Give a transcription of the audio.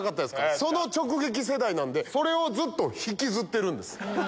その直撃世代なんでずっと引きずってるんです。